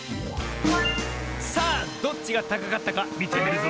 さあどっちがたかかったかみてみるぞ。